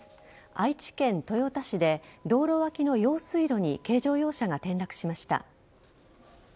愛知県豊田市で道路脇の用水路に軽乗用車が転落しました。